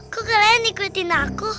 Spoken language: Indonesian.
kok kalian ikutin aku